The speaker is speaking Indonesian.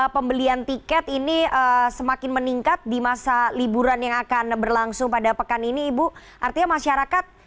pembelian tiket ini semakin meningkat di masa liburan yang akan berlangsung pada pekan ini ibu artinya masyarakat